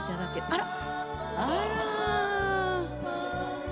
あら。